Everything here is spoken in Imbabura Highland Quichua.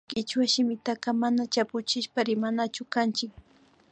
Kichwa shimitaka mana chapuchishpa rimanachu kanchik